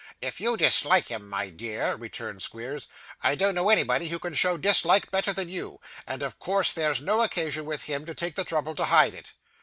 'If you dislike him, my dear,' returned Squeers, 'I don't know anybody who can show dislike better than you, and of course there's no occasion, with him, to take the trouble to hide it.